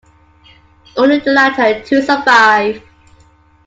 Only the latter two survive.